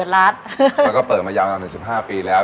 แล้วก็เปิดมายาวนานถึง๑๕ปีแล้ว